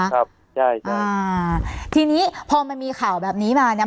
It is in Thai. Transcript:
ครับใช่จ้ะอ่าทีนี้พอมันมีข่าวแบบนี้มาเนี้ย